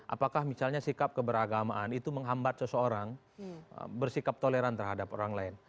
apakah misalnya sikap keberagamaan itu menghambat seseorang bersikap toleran terhadap orang lain